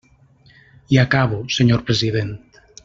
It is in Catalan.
I acabo, senyor president.